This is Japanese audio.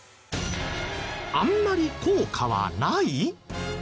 あんまり効果はない！？